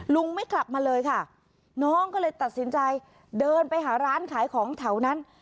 ลุงไม่กลับมาเลยค่ะน้องก็เลยตัดสินใจเดินไปหาร้านขายของแถวนั้น